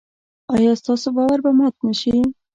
ایا ستاسو باور به مات نشي؟